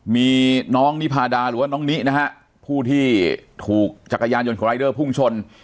มีน้องนิพาดาหรือว่าน้องนินะฮะผู้ที่ถูกจักรยานยนต์ของรายเดอร์พุ่งชน